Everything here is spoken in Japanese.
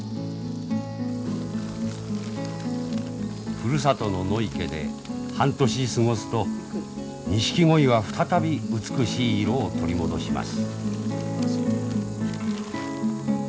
ふるさとの野池で半年過ごすとニシキゴイは再び美しい色を取り戻します。